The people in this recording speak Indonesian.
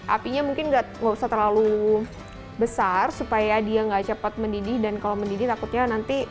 apinya mungkin nggak usah terlalu besar supaya dia nggak cepat mendidih dan kalau mendidih takutnya nanti